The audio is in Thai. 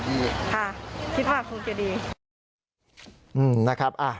ค่ะฉีดมากคงจะดี